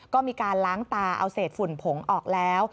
ก็มีการล้างตาเอาเศษฝุ่นผงออกแล้ว